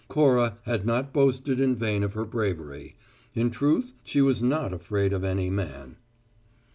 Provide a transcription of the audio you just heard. Cora had not boasted in vain of her bravery; in truth, she was not afraid of any man.